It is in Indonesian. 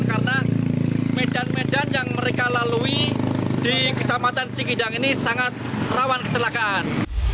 karena medan medan yang mereka lalui di kecamatan cikidang ini sangat rawan kecelakaan